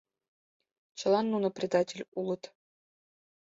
Чылан нуно предатель улыт.